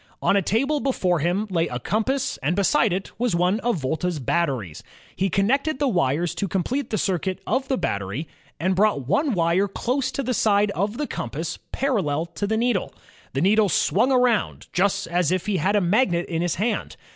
On a table before him lay a compass and beside it was one of Volta's batteries. He connected the wires to complete the circuit of the battery, and brought one wire close to the side of the compass parallel to the needle. The needle swung around, just as if he had a magnet in his hand.